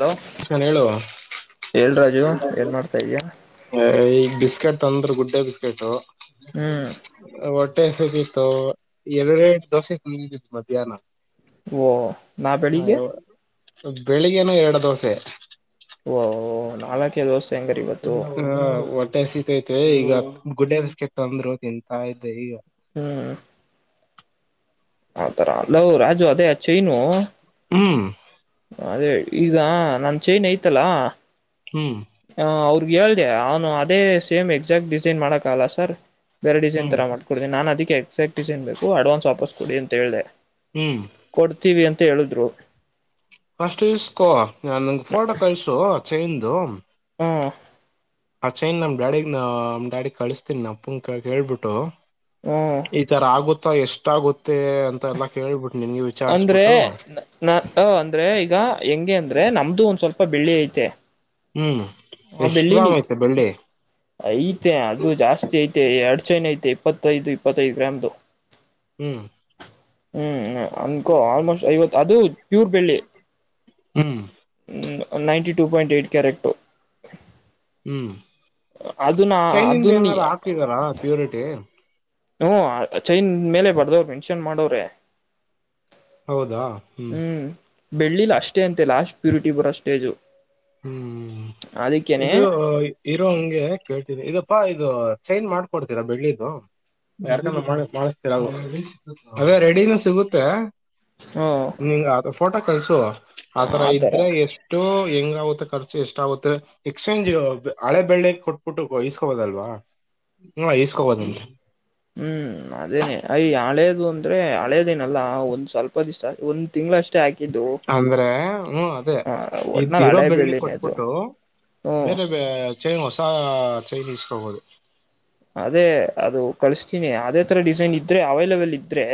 Hello ನನ್ ಹೇಳುವ ಹೇಳ್ರಾಜು ಏನ್ ಮಾಡ್ತಾ ಇದೀಯಾ ಈಗ್ ಬಿಸ್ಕೆಟ್ ತಂದ್ರ ಗಟ್ಟ ಬಿಸ್ಕೆಟು ಹ್ಮ್ [unintelligible] ಹೊಟ್ಟೆಸತಿತ್ತು ಎರಡು ದೋಸೆತ್ತು ನಿಿದಿತ್ತು ಮಧ್ಯಾಹ್ನ ಓ ನಾ ಬೆಳಿಗ್ಗೆ ಬೆಳಿಗ್ಗೆ ಏನು ಎರಡು ದೋಸೆ ಓಹಹ ನಾಳಕೆ ದಿವಸ ಹಾ ಸೀತ ಐತೆ ಈಗ ಗುಡ್ಡೆ ಬಿಸ್ಕೆಟ್ ತಂದ್ರು ತಿಂತಾ ಇದ್ದೆ ಈಗ ಹ್ಮ್ ಹತರ ಅಲ್ಲ ಲೋ ರಾಜು ಅದೇ ಅಚ್ಚೈನು ಹ್ಮ್ ಅದೇಿ ಈಗ ನನ್ ಚೈನ್ ಆಯ್ತಾ ಅಲ್ಲ ಹ್ಮ್ ಹ ಹೌದು ಅವಗ್ ಹೇಳ್ದ ಅವನು ಅದೇ ಸೇಮ್ ಎಕ್ಸಾಕ್ಟ್ ಡಿಸೈನ್ ಮಾಡಕಲ್ಲ ಸರ್ ಬೇ ಡಿಸೈನ್ ಹ್ಮ್ ತರ ಮಾಡ್ಡ್ೀ ನು ಅಕ್ಕೆ ಎಕ್ಸಾಕ್ಟ್ ಏನ್ ಬು ಅಡ್ವಾನ್ಸ್ ವಾಪಸ್ ಕೊಡಿ ಅಂತ ಹೇಳೆ. ಹ್ಮ್ ಕೊಡ್ತೀವಿ ಅಂತ ಮ ಹೇಳುದ್ರು ಫಸ್ಟು ಇಸ್ಕೋ ನಾನ್ನ್ ಫೋಟೋ ಕಳ್ಸು ಟ್ರೈನ್ದು ಹಾ ಆಚೆನ್ ನಮ್ ಡ್ಯಾಡ ನ ನಮ ಡಡಿಗ್ ಕಳಿಸತೀನಿ ಅಪ್ಪನ್ ಕ ಕೇಳ್ಬಿಟ್ಟು ಹ್ಮ್ ಈ ತರ ಆಗುತ್ತ ಎಷ್ಟ ಆಾಗುತ್ತೆ ಅಂತ ಎಲ್ಲಾ ಕೇಳಳ್ಬಿಟ್ಟು ಅಂದ್ರೆ ನಾ ಅಂದ್ರೆ ಈಗ ಹೆಂಗೆ ಅಂದ್ರೆ ರೆ ನಮ್ದು ಒಂದ್ ಸ್ವಲ್ಪ ಬೆಳ್ಳಿ ಐತೆ. ಹ್ಮ್ ಹಾ ಎಷ್ಟ್ ಗ್ರಾಮ್ ಬೆಳ್ಳಿನಿ ಐತೆ ಬೆಳ್ಳಿ ಐತೆ ಅದು ಜಾಸ್ತಿ ಐತೆ ಅಡ್ಚನ್ ಐತೆ. ಇಪ್ಪತ್ತೈದು ಇಪ್ಪತ್ತೈದು ಗ್ರಾಮದು ಹ್ಮ್ ಹ್ಮ್ ಹ್ಮ ಅಕ ಆಲ್ಮೋಸ್ಟ್ ಐವತ್ತು ಅದೂ ಪ್ಯೂರ್ ಬೆಳ್ಳಿ ಹ್ಮ್ ಹ್ಮ ninety two point eight correct ಹ್ಮ್ ಅದನ್ನ ಚೈನಿಂದ ಅದನ್ನ ಏನಾರ ಹಾಕಿದಾರ ಪ್ಯೂರಿಟಿ ಹ ಚೈನ್ ಮೇಲೆ ಬರ್ದವ್ರ ಮೆನ್ಷನ್ ಮಾಡವ್ರೆ ಹೌದಾ ಹ್ಮ್ ಬೆಳ್ಳಿಲ್ ಅಷ್ಟೇ ಅಂತೆ ಲಾಸ್ಟ್ ಪ್ಯೂರಿಟಿ ಬರೋ ಸ್ಟೇಜು [unintelligible] ಹ್ಮ್ ಅದಕ್ಕೇನೆ ಇದು ಇರೋ ಹಂಗೆ ಕೇಳ್ತಿದೆ ಇದು ಪ್ಪಾ ಇದು ಚೈನ್ ಮಾಡ್ಕೊಡ್ತೀರಾ ಬೆಳ್ಳಿದು ಯಾರ್ ಮಾಡತರ ಅ ರೆಡಿನೂ ಸಿಗುತ್ತೆ ಹ್ಮ [unintelligible] ನೀ ಫೋಟೋ ಕಲ್ಸು ಆತರ ಇದ್ರೆ ಎಷ್ಟು ಹೆಂಗ ಖರ್ಚು ಎಷ್ಟಾಗುತ್ತೆ ಎಕ್ಸ್ಚೇಂಜ್ ಹಳೆ ಬೆಳ್ಳಿ ಕೊಟ್ಬಿಟ್ಟು ಇಸ್ಕೋಬೋದಲ್ವಾ ಹ್ಮ ಇಸ್ಕೋಬೋದು ಹ್ಮ್ ಅದೇನೆ ಹೈ ಹಳೇದು ಅಂದ್ರೆ ಹಳೇದೇನಲ್ಲ ಒಂದ್ ಸ್ವಲ್ಪ ದಿವಸ ಒಂದ್ ತಿಂಗ್ಗಳಷ್ಟು ಅಂದ್ರೆ ಹ್ಮ ಅದೇ ಹ [unintelligible] ಒಟ್ನಲ್ಲಿ ಇರೋ ಹಳೆ ಬೆಳ್ಳಿ ಬೆಳ್ಳಿನೇ ಅದು ಕೊಟ್ಬಿಟ್ಟು ಹ್ಮ್ ಬೇರೆ ಚೈನ್ ಹೊಸ ಚೈನೀಸ್ ತಕೊಬಹುದು ಅದೇ ಅದು ಕಳಸ್ತೀನಿ ಅದೇ ತರ ಡಿಸೈನ್ ಇದ್ರೆ ಅವೈಲಬಾಲ್ ಇದ್ರೆ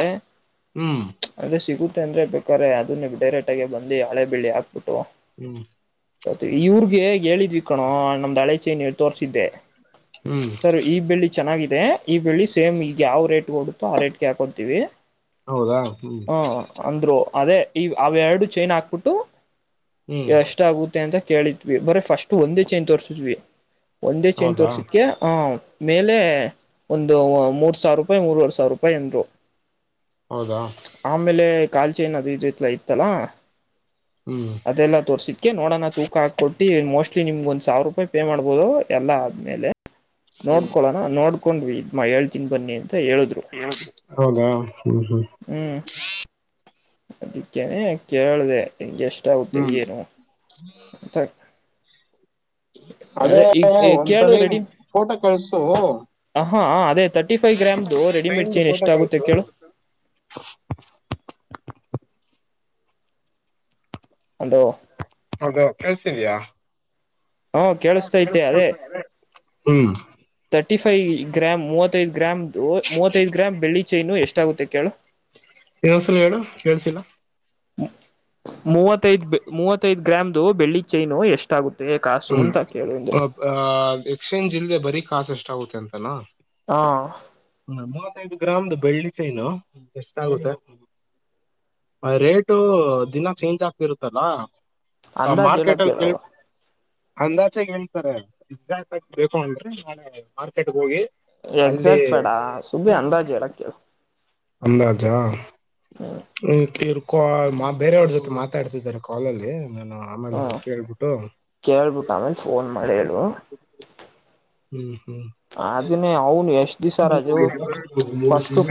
ಹ್ಮ್ ಅದ ಸಿಗ [unintelligible] ಅಂದ್ರೆ ಬೇಕಾದ್ರ ಅದು ನೀವು ಡೈರೆಕ್ಟ್ ಆಗೇ ಬಂದಿ ಹಳೆ ಬೆಳ್ಳಿ ಹಾಕ್ಬಿಟ್ಟು ಹ್ಮ್ ಇವ್ರಗೆ ಹೇಳಿದ್ವಿ ಕಣೋ ನಮ್ದು ಹಳೆ ಚೈನ್ ತೋರ್ಸಿದ್ದೆ ಹ್ಮ್ ಸರ್ ಈ ಬೆಳ್ಳಿ ಚೆನ್ನಾಗಿದೆ ಈ ಬೆಳ್ಳಿ ಸೇಮ್ ಈಗ ಯಾವ ರೇಟ್ ಕೊಡುತ್ತ ಆ ರೇಟ್ಗೆ ಹಾಕೊತೀವಿ ಹೌದಾ ಹ್ಮ್ ಹ ಅಂದ್ರು [unintelligible] ಅದೇ ಈ ಅವೆರಡು ಚೈನ್ ಹಾಕ್ಬಿಟ್ಟು ಹ್ಮ್ ಎಷ್ಟ ಆಗುತ್ತೆ ಅಂತ ಕೇಳಿದ್ವಿ ಬರೀ ಫಸ್ಟ್ ಒಂದೇ ಚೇಂಜ್ ತೋರ್ರಿಸಿದ್ವಿ ಒಂದೇ ಚೇಂಜ್ ಹೌದಾ ತೋರ್ಸಿದಕ್ಕೆ ಹ ಮೇಲೆ ಒಂದು ಮೂರ್ ಸಾವಿರ ರೂಪಾಯಿ ಮೂರ್ವರ್ ಸಾವಿರ ರೂಪಾಯಿ ಅಂದ್ರು ಹೌದಾ ಆಮೇಲೆ ಕಾಲ್ಚಿ ಅದು ಇದು ಎಲ್ಲಾ ಇತ್ತಲ ಹ್ಮ್ ಅದೆಲ್ಲಾ ತೋರ್ಸಿದಕ್ಕೆ ನೋಡೋಣ ತೂಕ ಹಾಕೊಟ್ಟಿ ಮೋಸ್ಟ್ಲಿ ಲಿ ನಿಮ್ಗ್ ಒಂದ್ ಸಾವಿರ ರೂಪಾಯಿ ಪೇ ಮಾಡ್ಬಹುದು ಎಲ್ಲ ಆದ್ಮೇಲೆ. ನೋಡ್ಕೊಳೋಣ ನೋಡ್ ಕೊಂಡ್ವಿ ಇದ್ ಹೇಳ್ತಿವಿ ಬನ್ನಿ. ಹೇಳಿದ್ರು ಹೌದ ಹ್ಮ ಹ್ಮ್ ಅದಕ್ಕೆನೆ ಕೇಳ್ದೆ. ಹಂಗೆ ಎಷ್ಟಾಗುತ್ತೆ ಏನು ಅಂತ ಅದೇ ಈಗ ಕೇಳು ಒಂದ್ಸಲಿ ಫೋಟೊ ಕಳ್ಸು. ಹ ಅದೇ ತರ್ಟಿ ಫೈವ್ ಗ್ರಾಮ್ದು ರೆಡಿಮೇಡ್ ಚೈನ್ದು ಚೈನ್ ಫೋಟೋ ಎಷ್ಟಾಗುತ್ತೆ ಕಳ್ಸು ಕೇಳು. ಅಲೋ ಹೌದ ಕಳ್ಸಿದ್ಯಾ ಹಾ ಕೇಳಿಸ್ತೈತೆ ಅದೇ ಹ್ಮ್ ತರ್ಟಿ ಫೈವ್ ಗ್ರಾಮ್ ಮೂವತ್ತೈದ ಗ್ರಾಮ್ ಮೂವತ್ತೈದ್ ಗ್ರಾಮ್ ಬೆಳ್ಳಿ ಚೈನು ಎಷ್ಟಾಗುತ್ತೆ ಕೇಳು. ಇನ್ನೊಂದ್ಸಲ ಹೇಳು ಕೇಳ್ಸಿಲ್ಲ ಮೂವತ್ತೈದು ಮೂವತ್ತೈದು ಗ್ರಾಮ್ದು ಬೆಳ್ಳಿ ಚೈನು ಎಷ್ಟಾಗು ಹ್ಮ್ ಅಬ್ ಆ ಎಕ್ಸ್ಚೇಂಜ್ ಇಲ್ಲದೆ ಬರೀ ಕಾಸ್ ಎಷ್ಟಾಗುತ್ತೆ ಅಂತಾನ. ಹಾ ಹ ಮುವತ್ತೈದು ಗ್ರಾಮ್ದ್ ಬೆಳ್ಳಿ ಚೈನು ಎಷ್ಟಾಗುತ್ತೆ ಆ ರೇಟು ದಿನಾ ಚೇಂಜ್ ಆಗ್ತಿರುತ್ತಲ್ಲ. ಹ ಅಂದಾಜ್ ಮಾರ್ಕೆಟ್ ಹೇಳಕ್ ಅಲ್ ಕೇಳು ಕೇಳ್ ಅಂದಾಚೆಗೆ ಹೇಳ್ತಾರೆ ಎಕ್ಸಾಕ್ಟ್ ಆಗ್ ಬೇಕು ಅಂದ್ರೆ ನಾಳೆ ಮಾರ್ಕೆಟ್ ಹೋಗಿ ಅಲ್ಲಿ ಎಕ್ಸಾಕ್ಟ್ ಬೇಡ ಸುಮ್ನೆ ಅಂದಾಜ್ ಹೇಳಕ್ಕೆಳ್. ಅಂದಾಜಾ ಹ್ಮ್ ಕಿರ್ಕೋ ಕೋ ಬೇರೆಯವ್ರ ಜೊತೆ ಮಾತಾಡ್ತಿದ್ದಾರೆ ಕಾಲಲ್ಲಿ. ನಾನು ಆಮೇಲೆ ಹ್ಮ ಕೇಳ್ಬಿಟ್ಟು ಕೇಳಬಿಟ್ಟು ಆಮೇಲೆ ಫೋನ್ ಮಾಡಿ ಹೇಳು. ಹ್ಮ್ ಹ್ಮ್ ಅದುನ್ನೇ ಅವ್ನ್ ಎಷ್ ನೀನು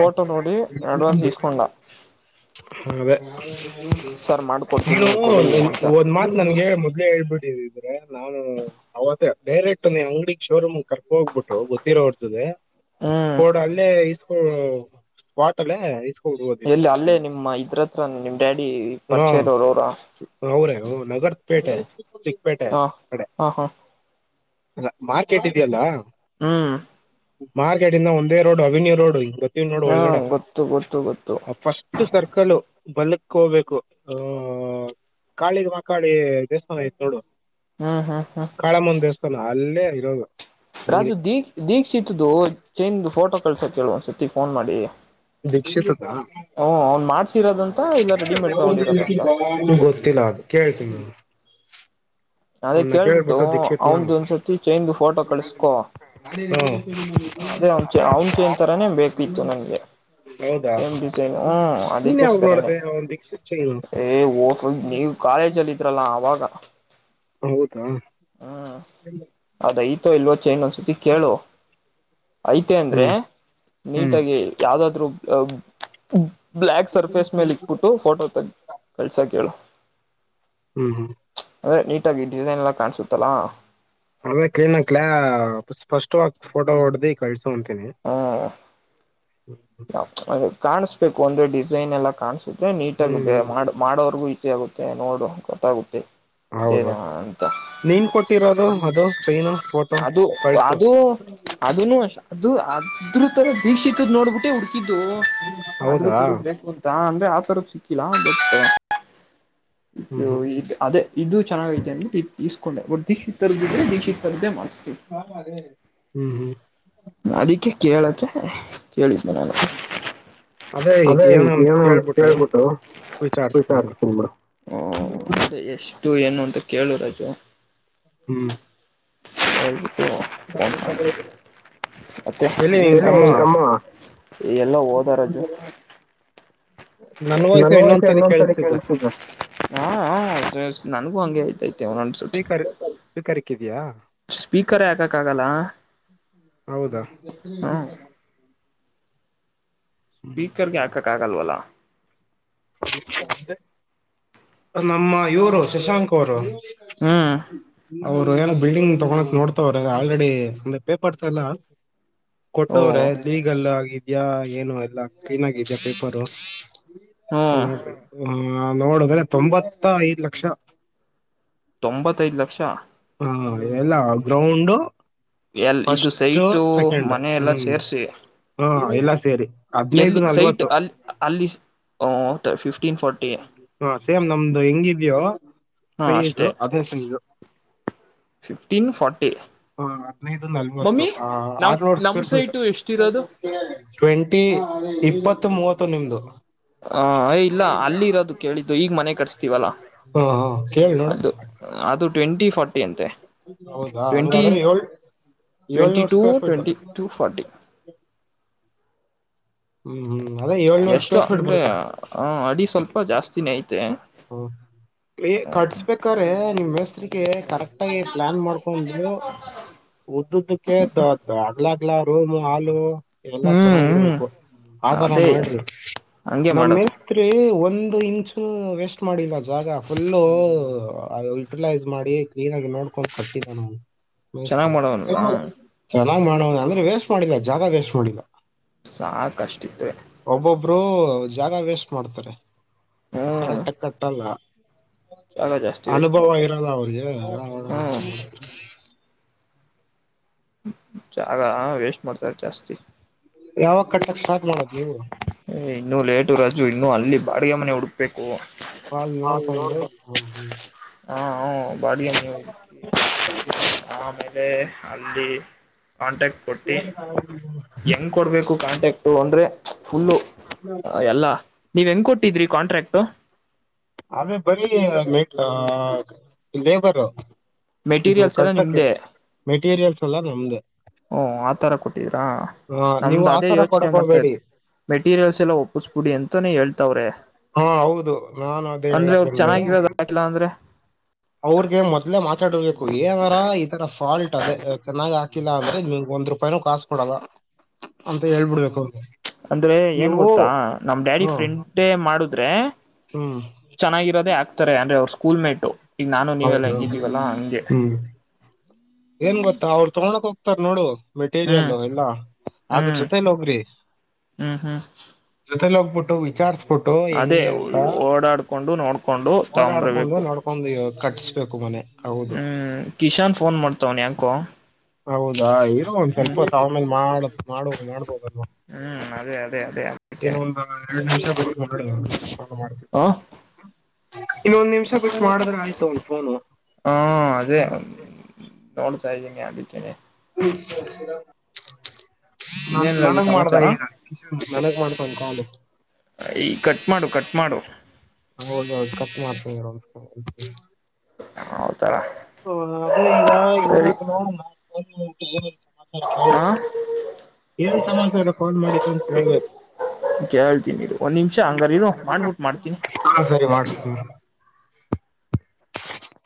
ಫೋಟೋ ನೋಡಿ ಅಡ್ವಾನ್ಸ್ ಇಸ್ಕೊಂಡ ಸರ್ ಮಾಡ್ಕೊಡ್ತೀನಿ ಕೊಡಿ ಅಂತ ಒಂದ್ ಮಾತ್ ನನ್ಗೆ ಮೊದ್ಲ ಹೇಳ್ ತಿದ್ರೆ ನಾನು ಅವತ್ತ ಡೈರೆಕ್ಟ್ ನೀ ಅಂಗಡಿ ಶೋರೂಮ್ ಕರ್ಕ ಹೋಗ್ಬಿಟ್ಟು ಗೊತ್ತಿರೋರ್ ಹೊತ್ತದೆ. ಹ್ಮ್ ಹೋಡಲ್ಲೇ ಇಸ್ ಕೋ ಸ್ಪಾಟ್ ಅಲ್ಲೇ ಇಸ್ ಎಲ್ಲಿ ಅಲ್ಲೇ ನಿಮ್ಮ ಇದ್ರತ್ರ ನಿಮ್ ಡ್ಯಾಡಿ ಹಾ ಪರಿಚಯ ಇರೋರು ಅವ್ರ ಅವ್ರೆ ನಗರದ ಪೇಟೆ [unintelligible] ಹ ಹ ಹಾ ಅಲ್ಲಾ ಮಾರ್ಕೆಟ್ ಇದೆಯಲ್ಲ ಹ್ಮ್ ಮಾರ್ಕೆಟ್ ಇಂದ ಒಂದೇ ರೋಡ್ ಅವೆನ್ಯೂ ರೋಡ್. ಇವ್ ನೋಡ್ ಹಾ ಒಳಗಡೆ ಗೊತ್ತು ಗೊತ್ತು ಗೊತ್ತು ಆ ಫಸ್ಟ್ ಸರ್ಕಲ್. ಬಲ್ಲಕ್ಕ ಹೋಗ್ಬೇಕು ಆ ಕಾಳಿಗೆ ಮಕಾಳಿ ದೇವಸ್ಥಾನಯತ್ ನೋಡು. ಹ್ಮ್ ಹ್ಮ್ ಹ್ಮ್ ಕಾಳಮನ್ನ್ ದೇವಸ್ಥಾನ ಅಲ್ಲೇ ಇರೋದು ಅಂಗಡಿ ರಾಜು ದೀಕ್ಷಿತುದು ಚೇನ್ ಫೋಟೋ ಕಳ್ಸ ಕೇಳುವ ಒಂದ ಸರ್ತಿ ಫೋನ್ ಮಾಡಿ. ದೀಕ್ಸಿತ್ ಹ್ಮ ಅವ್ನ್ ಮಾಡ್ಸಿರೋದಂತ ಇಲ್ಲ ರೆಡಿಮೇಡ್ ತಗೊಂಡಿರೋದಂತ [unintelligible] ಗೊತ್ತಿಲ್ಲ ಅದು ಕೇಳ್ತೀನಿಗೆ ಅದೇ ಅವನ್ನ ಕೇಳ್ಬಿಟ್ಟು ಕೇಳ್ಬಿಟ್ಟ ದೀಕ್ಷತ್ ನಾವ್ ಅವಂದು ಒಂದ್ಸತಿ ಚೈನ್ದು ಫೋಟೋ ಕಳ್ಸ್ಕೊ ಅದೇ ಅವ್ನ್ ಚ ಅವ್ನ್ ಚೈನ್ ತರಾನೇ ಬೇಕಿತ್ತು ನನ್ಗೆ ಸೇಮ್ ಡಿಸೈನ್ ಹ್ಮ ಅದಕ್ಕೋಸ್ಕರನೇ ನೋಡ್ದೆ ಅವ್ನ್ ದೀಕ್ಷಿತ್ ಚೈನು ಏ ಹೋಗ್ ನೀವು ಕಾಲೇಜಲ್ಲಿ ಇದ್ರಲ್ಲ ಅವಾಗ [unintelligible] ಹೌದು [unintelligible] ಇಲ್ಲವೋ ಚೈನ್ ಅತ್ತಿ ಕೇಳುವ ಐತೆ ಅಂದ್ರೆ ಹ್ಮ್ ಹ್ಮ್ ನೀಟಾಗಿ ಯಾವ್ದಾದ್ರು ಹ್ಮ್ ಬ್ಲಾಕ್ ಸರ್ಫೇಸ್ ಮೇಲೆ ಇಕ್ಬಿಟ್ಟು ಫೋಟೋ ತಗ್ದ್ ಕಳ್ಸ ಹೇಳು ಹ್ಮ್ ಹ್ಮ್ ಅ್ರ ನೀಟಾಗಿ ಡಿಸೈನ್ಲ ಎಲ್ಲಾ ಕಾಣಸುತ್ತೆ. ತ್ತಲಾ ಅದೇ ಕ್ಲೀನ್ ಆಕ್ಲ ಸ್ಪಷ್ಟವಾಗಿ ಫೋಟೋ ಹೊಡ್ದಿ ಕಳ್ಸ ಹ್ಮ ನ ಕಾಣಸ ಬೇಕು ಅಂದ್ರೆ ಡಿಸೈನ್ ಎಲ್ಲ ಕಾಣಸುತ್ತೆ ನೀಟಾಗ ಹ್ಮ್ ಬ ಮಾಡ ಮಾಡೋವರ್ಗೂ ಗುಟೆ ನೋದ ಕಟ ಗುಟೆ ಹೌದು ನೀನ್ ಕೊಟ್ಟಿರೋದು ಅದು ಚೈನು ಫೋಟೋ ಅದು ಕಲ್ಫ ಅದು ಅದನು ಅದು ಅದ್ರ ತ ದೀಕ್ಷಿತ ತ್ದ ನೋಡ್ಬಿಟ್ಟೆ ಹು ಇದು ಅದ್ರ ಹೌದಾ ತರಗ್ ಬೇಕು ಅಂತ ಅಂದ್ರೆ ರ ಸಿಕ್ಕಿಲ್ಲಾ ಬಟ್ ಹ್ಮ್ ಹ್ಮ್ ಈ ಅದೇ ಇದು ಚೆನ್ನಾಗ ಐತೆ ಅಂತ ಇಸ್ಕೊಂಡೆ ಬ ದೀಕ್ಷತದ್ರೆ ದೀಕ್ಷಿತ ಹ್ಮ್ ಹ್ಮ್ ಅದಕ್ಕೆ ಕೇಳಕ್ಕೆ ಕೇಳಿದ್ದನ ನಾನು ಅದೇ ಏನಂತ ಏನ ಕೇಳ್ಬಿಟ್ಟು ಕೇಳ್ ಬಿಟ್ಟು ವಿಚಾರಿಸ್ತೀನಿ ಬಿಡು ವಿಚಾರಿಸ್ತಿನಿ ಬಿಡು ಏನು ಅಂತ ಕೇಳು ರಾಜಾ ಹ್ಮ್ ಹಾಗ [unintelligible] ಹ [unintelligible] ಮತ್ತೆ ಎಲ್ಲಿ ನಿನ್ ತಮ್ಮ ಎಲ್ಲ ಹೋದಾರು [unintelligible] ನನ್ ನ ವಾಯ್ಸ್ ಆಯ್ತ ಇನ್ನೊಂದ್ಸಲ ಇನ್ನೊಂದ್ ಕೇಳಿಸ್ತಿದ್ದೆ ತೀಕ ಹ ನನ್ಗೂ ಹಂಗೆ ಆಯ್ತ ಐತೆ ಒನೊಂದಸತಿ. ಸ್ಪೀಕರ್ ಸ್ಪೀಕರ್ ಇಕ್ಕಿದ್ಯಾ ಹೌದಾ. ಹ್ಮ್ ಸ್ಪೀಕರಕ ಆಕ್ಕಾ ಕಾಕಲ್ವಲ್ಲ. ನಮ್ಮ ಇವರು ಶಶಾಂಕ್ ಅವರು. ಹ್ಮ್ ಅವ್ರು ಏನೋ ಬಿಲ್ಡಿಂಗ್ ತಗೋಕ್ ನೋಡ್ತಾವ್ರ ಆಲ್ರೆಡಿ ಒಂದ ಪೇಪರ್ಸ್ ಎಲ್ಲ. ಓ ಕೊಟ್ಟವ್ರೆ ಈಗಲ್ಲ ಆಗಿದ. ಏನು ಎಲ್ಲಾ ಕ್ಲೀನ್ ಆಗಿದ್ಯಾ ಪೇಪರು. ಹ ಹ್ಮ್ ನೋಡ. ಹಾ ನೋಡುದ್ರೆ ತೊಂಬತ್ತ ಐದು ಲಕ್ಷ. ತೊಂಬತ್ತೈದು ಲಕ್ಷ. ಹಾ ಎಲ್ಲ ಗ್ರೌಂಡು. ಎಲ್ ಇದು ಫಸ್ಟ್ ಸೈಟು ಸೆಕೆಂಡ್ ಮನೆ ಎಲ್ಲ ಹ್ಮ್ ಸೇರ್ರಿಸಿ ಹಾ ಎಲ್ಲ ಸೇರಿ ಹದ್ನೈದು ಎಲ್ಲಿ ಸೈಟ್ ನಲ್ವತ್ತು ಅಲ್ಲಿ ಅಲ್ಲಿ. [unintelligible] ಫಿಫ್ಟ. [unintelligible] ಹಾ ಸೇಮ್ ನಮ್ದು ಹೆಂಗಿದ್ಯೋ. ಹಾ ಅಷ್ಟೇ ಸೈಜು ಅದೇ ಸೈಜು [unintelligible] ಫಿಫ್ಟೀನ್ ಫ. ಹ ಹದ್ [unintelligible] ನೈದು ನಲ್ವತ್ತು ನಮ್ ಆರ್ ನೋ ನಮ್ ಸ್ರ್ ಸೈಟು ಎಷ್ಟಿರೋದು ಫಂಟಿ ಇ. ಮ ಮೂವತ್ತು ನಿಮ್ದು. [unintelligible] ಹ ಯ ಇಲ್ಲ ಅಲ್ಲಿ ಇರೋದು ಕೇಳಿದ್ದು ಈಗ ಮನೆ ಕಟ್ [unintelligible] ಸ್ತೀವಲ್ಲ ಹಾ ಹಾ ಕೇಳಿ ನೋಡು ಅದು ಅದು. ಟ್ವೆಂಟಿ ಫಾರ್ಟಿ ಅಂತೆ. ಹೌದಾ ಟ್ವೆಂಟಿ ಹಂಗಾದ್ರೆ ಏಳ್ ಟ್ವೆಂಟಿ ಏಳ್ನೂರು two square feet. Twenty two forty ಹ್ಮ್ ಹ್ಮ್ ಅದೇ ಏಳ್ನೂರ್ ಎಷ್ಟೋ ಸ್ಕ್ವೇರ್ ಫೀಟ್ ಅಂದ್ರೆ ಬರುತ್ತೆ ಅಡಿ ಸ್ವಲ್ಪ ಜಾಸ್ತಿನೇ ಐತೆ. ಹ್ಮ ನೋಡಿ ಕಟ್ಸ್ಬೇಕ್ರೆ ನಿಮ್ಮ್ ಹೆಸ್ರಿಗೆ ಕರೆಕ್ಟ್ ಆಗಿ ಪ್ಲಾನ್ ಮಾಡ್ಕೊಂಡು ಉದ್ದದ್ದಕ್ಕೆ ದ್ದ ಅಲ್ಲಾಗಲ್ಲ ರೋಮ ಹಲು ಇದೆಲ್ಲಾ ಹ್ಮ್ ಹ್ಮ್ ಚೆನ್ನಾಗಿರ್ಬೇಕು ಆತಾರ ಅದೇ ಮಾಡ್ರಿ ಹಂಗೆ ಮಾಡೋದು ನಮ್ಮೇಸ್ತ್ರಿ ಒಂದು ಒಂದು ಇಂಚು ವೆಸ್ ಮಾಡಿಲ್ಲ ಜಾಗ ಫುಲ್ಲು ಯುಟಿಲೈಸ್ ಮಾಡಿ ಕ್ಲೀನ್ ಆಗಿ ನೋಡ್ಕೊಂಡ್ ಕಟ್ಟಿದ್ದ ನಾವು. ಮತ ಚೆನ್ನಾಗ್ ಮಾಡೋನಲ್ಲ ಚ. [unintelligible] ನ ಮಾಡೋ ಅಂದ್ರೆ ವೇಸ್ಟ್ ಮಾಡಿಲ್ಲ ಜಾಗ ವೇಸ್ಟ್ ಮಾಡಿಲ್ಲ. ಸಾಕು ಅಷ್ಟಿದ್ರೆ ಒಬ್ಬರು ಜಾಗ ವೇಸ್ಟ್ ಮಾಡ್ತಾರೆ. ಹ್ಮ್ ಕರೆಕ್ಟ್ ಕಟ್ಟ ಕಟ್ಟಲ್ಲ ಜಾಗ ಜಾಸ್ತಿ ವೇಸ್ಟ್ ಅನುಭವ ಮಾಡ್ತಾರೆ ಇರಲ್ಲ ಅವ್ರಿಗೆ. ಹ್ಮ್ ಜಾಗ ಹ ವೇಸ್ಟ್ ಮಾಡ್ತಾರೆ ಜಾಸ್ತಿ ಯಾವ ಕಡೆ ಸ್ಟಾರ್ಟ್ [unintelligible] ಇ ಲೇಟು ರಷ್ಟು ಇನ್ನುೂ ಅಲ್ಲಿ ಬಾಡಿಗೆ ಮನೆ ಹುಡುಕ್ಬೇಕುೋು ಬಾಳ ನೋಡ್ಕೊಂಡು ಹ್ಮ್ ಹ್ಮ್ ಹ ಬಾಡಿಗೆ ಮನೆ ಹುಡುಕಿ ಆಮೇಲೆ ಲ್ಲಿ [unintelligible] ಕಾಂಟ್ಯಾಕ್ಟ್ ಕೊಟ್ಟಿ ಹೆಂಗ್ ಕೊಡ್ಬೇಕು ಕಾಂಟ್ಯಾಕ್ಟ್ ಅಂದ್ರೆ ಫುಲ್ಲು ಎಲ್ಲಾ ನೀವ್ ಹೆಂಗ್ ಕೊಟ್ಟಿದ್ರಿ ಕಾಂಟ್ರಾಕ್ಟ್ ಅದೇ ಬರೀ ಲೇಬರ್ ಇದು ಮೆಟೀರಿಯಲ್ಸ್ ಎಲ್ಲ ಕಟ್ಟಕ್ಕೆ ನಿಮ್ದೇ ಮೆಟೀರಿಯಲ್ಸ್ ಎಲ್ಲ ನಮ್ದೆ ಹಓ ಆತರ ಕೊಟ್ಟಿದ್ರಾ ಹ ನೀವು ನಮ್ದು ಅದೇ ಆತರ ಯೋಚನೆ ಕೊಡಕ್ ಮಾಡ್ತಿ ಹೋಗ್ಬೇಡಿ ಮೆಟೀರಿಯಲ್ಸ್ ಎಲ್ಲಾ ಒಪ್ಪಸ್ಬಿಡಿ ಅಂತಾನೇ ಹೇಳ್ತಾವ್ರೆ ಹಾ ಹೌದು ನಾನು ಅದೇ ಅಂದ್ರೆ ಹೇಳಕ್ ಅವ್ರರು ಬಂದೆ ಚೆನ್ನಾಗಿರೋದ ಆಯಲ ಅಂದ್ರೆ. ಮಾತಾಡ್ಬೇಕು ಏನಾರ ಈ ತರ ಫಾಲ್ಟ್ ಅದೇ ಚೆನ್ನಾಗ್ ಹಾಕಿಲ್ಲ ಅಂದ್ರೆ ನಿಮಗ್ ಒಂದ್ ರೂಪಾಯಿನೂ ಕಾಸ್ ಕೊಡದ ಅಂತ ಹೇಳ್ಬಿಡ್ಬೇಕು. ಅಂದ್ರೆ ಏನ್ ನೀವು ಗೊತ್ತಾ ನಮ್ ಡ್ಯಾಡಿ ಹ್ಮ ಫ್ರೆಂಡೇ ಮಾಡುದ ಅಂದರೆ ಹ್ಮ್ ಚೆನ್ನಾಗಿರೋದ ಯಾಕ ಾರೆ ಅಂದ್ರ ಅವ್ರ ಸ್ಕೂಲ್ ಮೇಟ್ು ಹೌದುೌ ಹ್ಮ್ ಏನ್ ಗೊತ್ತಾ ಅವರು ತಗಳಕ್ ಹೋಗ ರ್ ನೋಡು ಮೆಟೀರಿಯಲ್ ಹ್ಮ್ ಇಲ್ಲ ಹಾಗ ಹ್ಮ್ ಜೊತೆ ನ ಹೋಗ್ರಿ ಹ್ಮ್ ಹ್ಮ್ ಜೊತೆೋಗ ುಟ್ಟ ಅದೇ ಓಡಾಡ್ಕೊಂಡು ನೋಡ್ಕೊಂಡು ತಗಂಬರ್ಬೇಕು ಕಟ್ಟಿಸ್ಬೇಕು ಮನೆ ಹೌದು ಹ್ಮ್ ಕಿಶಾನ್ ಫೋನ್ ಮಾಡ್ತಾವ್ನೆ ಯಾಕೋ. ಹೌದಾ ರೊ ಒಂದ್ ಸ್ವಲ್ಪ ಹ್ಮ್ ಹೊತ್ತ್ ಆಮೇಲ್ ಮಾಡ್ ಮಾಡು ಮಾಡ್ಬೋಗ ಹ್ಮ್ ಅದೇ ಅದೇ ಅದೇ ಅದಕ್ಕೇನೆ ಇನ್ನೊಂದ ಎರಡ್ ನಿಮಿಷ ಬಿಟ್ಟ ಹ ಇನ್ನೊಂದ್ ನಿಮಿಷ ಬಿಟ್ಟು ಮಾಡಿದ್ರೆ ಆಯ್ತು ಒ ಫೋನು. ಹಾ ಅದೇ ನೋಡ್ತಾ ಇದ್ದೀನಿ ಅದಕ್ಕೇನೆ [unintelligible] ನನ್ ಇನ್ನೇನ್ ರಾಜು ನನಗ್ ಮಾಡ್ದ ಸಮಾಚಾರ ಈಗ ಕಿಶನ್ ನನಗ್ ಮಾಡ್ತನ್ ಕಾಲು. ಈ ಕಟ್ ಮಾಡು ಕಟ್ ಮಾಡು. ಹೌದೌದು ಕಟ್ ಮಾಡ್ತೀನ್ ಇರ್ ಒಂದ್ಸಲ. ಆವ್ ಹ ಅದೇ ಈಗ ಇವರ್ನ್ಕ್ ನೋಡೋಣ. ಹಾ [unintelligible] ಏನ್ ಸಮಸ್ಯೆ ಇದೆ ಕೋನ್ ಮಾಡಿದ್ದು ಅಂತ ಹೇಳ್ಬೇಕು ಕೇಳ್ತೀನಿರು ಒಂದ್ ನಿಮಿಷ ಹಂಗಾರಿರು ಮಾಡ್ಬಿಟ್ಟು ಮಾಡ್ತೀನಿ ಹ ಸರಿ ಮಾಡ್ ಹ್ಮ್. [inaudible]